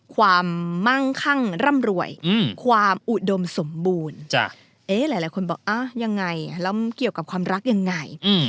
มั่งคั่งร่ำรวยความอุดมสมบูรณ์หลายคนบอกยังไงแล้วเกี่ยวกับความรักยังไง